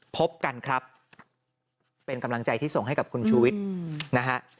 พบกันครับเป็นกำลังใจที่ส่งให้กับคุณชูวิทย์นะฮะ